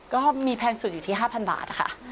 ก็มีแพงสุดอยู่ที่๕๐๐บาทค่ะ